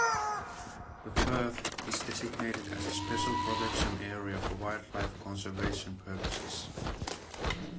The firth is designated as a Special Protection Area for wildlife conservation purposes.